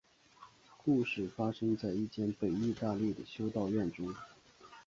故事发生在一间北意大利的修道院中。